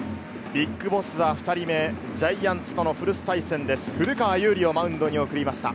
ＢＩＧＢＯＳＳは２人目、ジャイアンツとの古巣対戦です、古川侑利をマウンドに送りました。